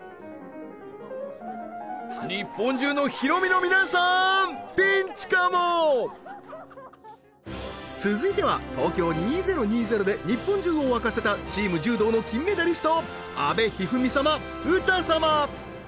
日本中のＨＩＲＯＭＩの皆さーんピンチかも続いては東京２０２０で日本中を沸かせたチーム柔道の金メダリスト阿部一二三様